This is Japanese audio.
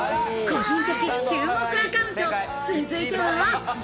個人的注目アカウント、続いては。